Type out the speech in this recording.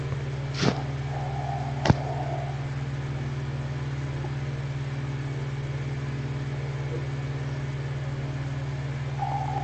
যদি পড়তে বারণ কর তা হলে তোমার সঙ্গে জন্মের মত আড়ি।